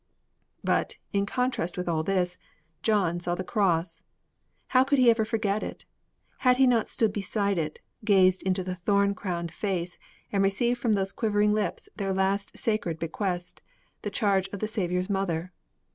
But, in contrast with all this, John saw the Cross! How could he ever forget it? Had he not stood beside it, gazed into the thorn crowned face, and received from those quivering lips their last sacred bequest the charge of the Saviour's mother?